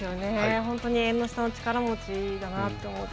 本当に縁の下の力持ちだと思って。